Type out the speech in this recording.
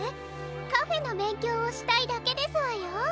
カフェのべんきょうをしたいだけですわよ。